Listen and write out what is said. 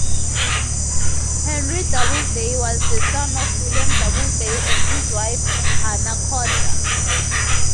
Henry Doubleday was the son of William Doubleday and his wife Hannah Corder.